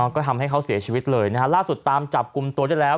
ก็ทำให้เขาเสียชีวิตเลยนะฮะล่าสุดตามจับกลุ่มตัวได้แล้ว